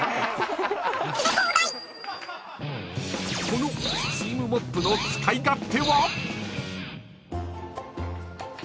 ［このスチームモップの使い勝手は？］